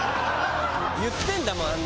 言ってるんだもん